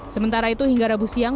sementara itu hingga rabu siang